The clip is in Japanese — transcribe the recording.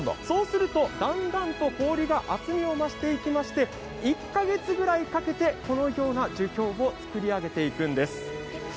そうするとだんだんと氷が厚みを増していきまして、１カ月くらいかけて、このような樹氷を作り上げていくんです。